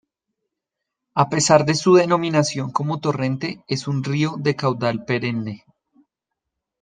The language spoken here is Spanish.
A pesar de su denominación como "torrente", es un río de caudal perenne.